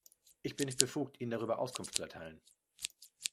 Ich bin nicht befugt, Ihnen darüber Auskunft zu erteilen.